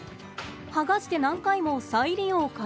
剥がして何回も再利用可能。